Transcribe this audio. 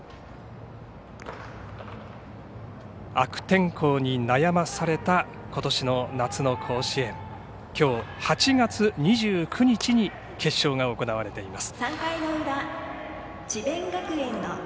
悪天候に悩まされたことしの夏の甲子園きょう８月２９日に決勝が行われています。